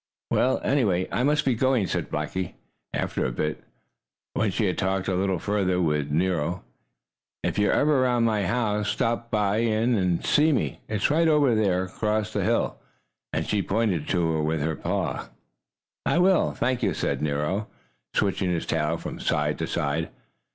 "Well, I must be going," said Blackie after a bit, when she had talked a little further with Nero. "If ever you're around my house, stop in and see me. It's right over there, across the hill," and she pointed to it with her paw. "I will, thank you," said Nero, switching his tail from side to side.